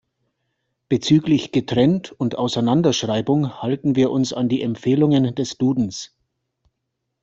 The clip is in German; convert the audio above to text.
Bezüglich Getrennt- und Auseinanderschreibung halten wir uns an die Empfehlungen des Dudens.